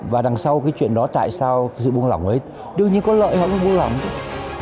và đằng sau cái chuyện đó tại sao sự buông lỏng ấy đương nhiên có lợi hoặc là buông lỏng thôi